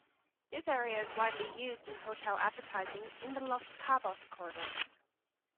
This area is widely used in hotel advertising in the Los Cabos Corridor.